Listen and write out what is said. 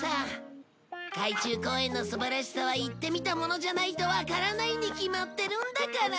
海中公園の素晴らしさは行って見た者じゃないとわからないに決まってるんだから。